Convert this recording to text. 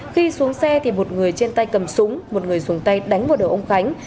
khi xuống xe thì một người trên tay cầm súng một người xuống tay đánh vào đầu ông khánh